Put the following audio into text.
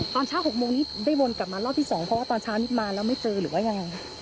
ตอนเช้า๖โมงนี้ได้วนกลับมารอบที่๒เพราะว่าตอนเช้านี้มาแล้วไม่เจอหรือว่ายังไง